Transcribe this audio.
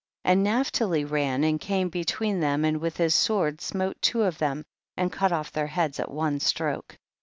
12. And Naphtali ran and came between them and with his sword smote two of them, and cut off their heads at one stroke.